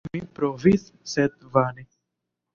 Mi provis, sed vane.